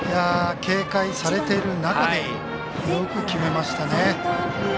警戒されている中でよく決めましたね。